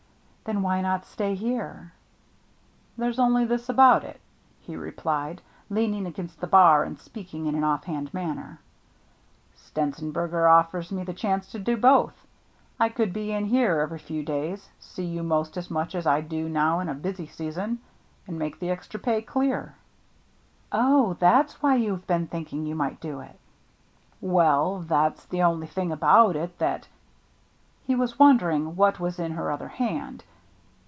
" Then why not stay here ?" There's only this about it," he replied, leaning against the bar, and speaking in an ofF hand manner ;" Stenzenberger offers me the chance to do both. I could be in here every few days — see you most as much as I do now in a busy season — and make the extra pay clear." "Oh, that's why you have been thinking you might do it ?" "Well, that's the only thing about it that —He was wondering what was in her other hand.